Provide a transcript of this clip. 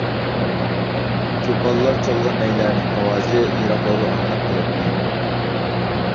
چوپانلار چالغان نەيلەرنىڭ ئاۋازى يىراقلارغا ئاڭلىنىپ تۇراتتى.